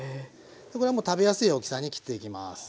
これはもう食べやすい大きさに切っていきます。